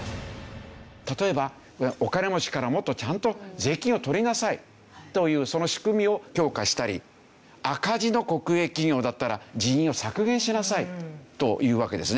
例えばお金持ちからもっとちゃんと税金を取りなさいというその仕組みを強化したり赤字の国営企業だったら人員を削減しなさいというわけですね。